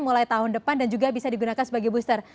mulai tahun depan dan juga bisa digunakan sebagai booster